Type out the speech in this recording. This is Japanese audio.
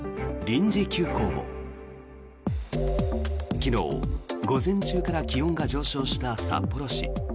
昨日、午前中から気温が上昇した札幌市。